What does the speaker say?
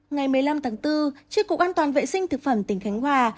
ngày một mươi năm tháng bốn tri cục an toàn vệ sinh thực phẩm tỉnh khánh hòa